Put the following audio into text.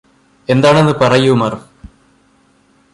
എന്താണെന്ന് പറയൂ മര്ഫ്